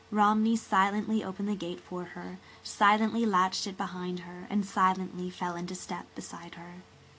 Romney silently opened the gate for her, silently latched it behind her, and silently fell into step beside her.